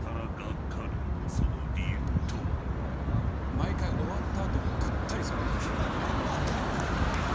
毎回終わった後ぐったりされる。